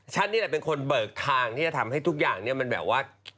นี่แหละเป็นคนเบิกทางที่จะทำให้ทุกอย่างเนี่ยมันแบบว่า